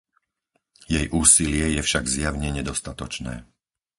Jej úsilie je však zjavne nedostatočné.